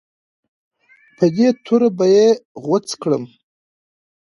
په دې توره به یې غوڅه کړم.